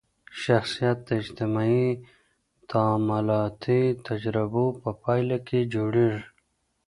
شخصیت د اجتماعي تعاملاتي تجربو په پایله کي جوړېږي.